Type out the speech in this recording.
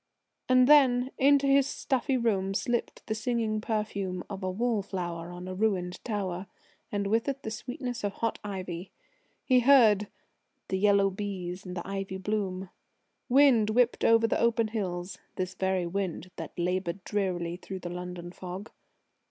And then, into his stuffy room, slipped the singing perfume of a wall flower on a ruined tower, and with it the sweetness of hot ivy. He heard the "yellow bees in the ivy bloom." Wind whipped over the open hills this very wind that laboured drearily through the London fog.